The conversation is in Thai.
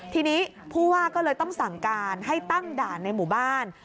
ทีนี้ผู้ว่าก็เลยต้องสั่งการให้ตั้งด่านในหมู่บ้าน